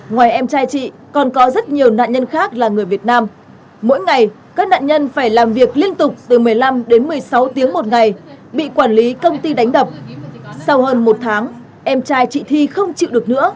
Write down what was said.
ngoài em trai chị còn có rất nhiều nạn nhân khác là người việt nam mỗi ngày các nạn nhân phải làm việc liên tục từ một mươi năm đến một mươi sáu tiếng một ngày bị quản lý công ty đánh đập sau hơn một tháng em trai chị thi không chịu được nữa